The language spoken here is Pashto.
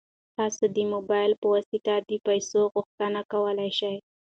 تاسو د موبایل په واسطه د پيسو غوښتنه کولی شئ.